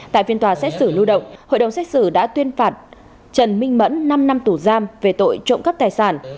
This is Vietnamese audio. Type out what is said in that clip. tại phiên tòa xét xử lưu động hội đồng xét xử đã tuyên phạt trần minh mẫn năm năm tù giam về tội trộm cắp tài sản